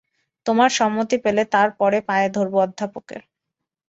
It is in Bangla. তোমার সম্মতি পেলে তার পরে পায়ে ধরব অধ্যাপকের।